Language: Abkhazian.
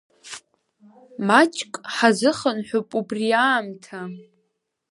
Маҷк ҳазыхынҳәып убри аамҭа.